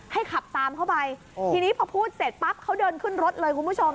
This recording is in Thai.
ขับตามเข้าไปทีนี้พอพูดเสร็จปั๊บเขาเดินขึ้นรถเลยคุณผู้ชม